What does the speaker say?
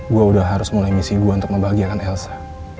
gue udah harus mulai misi gue untuk membahagiakan elsa